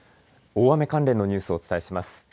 大雨関連のニュースをお伝えします。